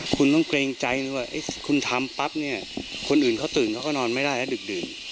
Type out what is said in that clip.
คุณต้องเกรงใจเลยว่าคุณทำปั๊บเนี่ยคนอื่นเขาตื่นเขาก็นอนไม่ได้แล้วดึกดื่น